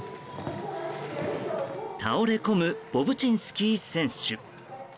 倒れ込むボブチンスキー選手。